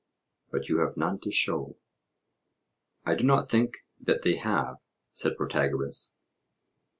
But you have none to show.' I do not think that they have, said Protagoras.